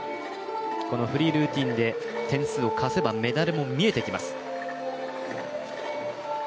このフリールーティンで点数を出せば、メダルも見えてきます。